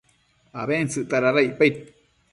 abentsëcta dada icpaid